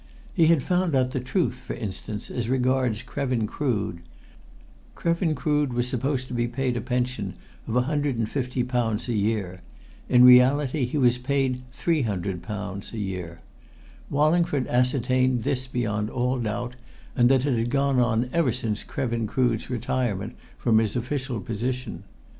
He had found out the truth, for instance, as regards Krevin Crood. Krevin Crood was supposed to be paid a pension of £150 a year; in reality he was paid £300 a year. Wallingford ascertained this beyond all doubt, and that it had gone on ever since Krevin Crood's retirement from his official position.